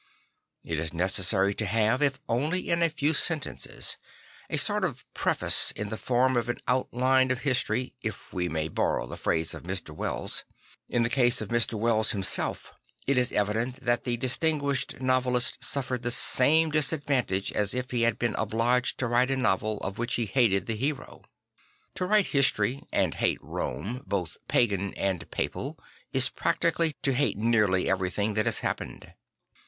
It is necessary to have, if only in a few sentences, a sort of preface in the form of an Outline of History, if we may borrow the phrase of Mr. Wells. In the case of Ir. Wells himself, it is evident that the distinguished novelist suffered the same disadvantage as if he had been obliged to write a novel of which he hated the hero. To write history and hate Rome, both pagan and papal, is practically to hate nearly everything that has happened.